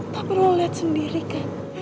tapi lo liat sendiri kan